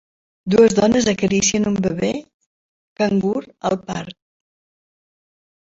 Dues dones acaricien un bebè cangur al parc.